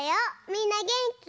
みんなげんき？